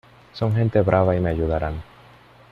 son gente brava y me ayudarán...